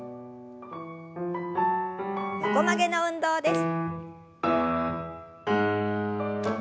横曲げの運動です。